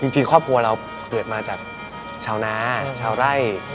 จริงครอบครัวเราเกิดมาจากชาวนาชาวไร่